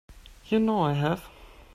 You know I have.